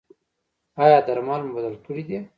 ایا درمل مو بدل کړي دي؟